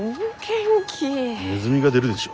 ネズミが出るでしょ？